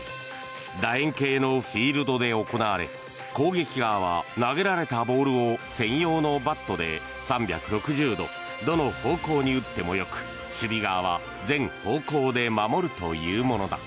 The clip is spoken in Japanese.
楕円形のフィールドで行われ攻撃側は投げられたボールを専用のバットで３６０度どの方向に打ってもよく守備側は全方向で守るというものだ。